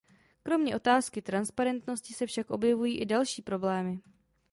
Kromě otázky transparentnosti se však objevují i další problémy.